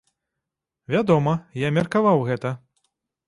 Вядома, я меркаваў гэта.